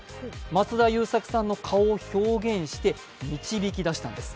松田優作さんの顔を表現して導き出したんです。